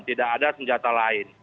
tidak ada senjata lain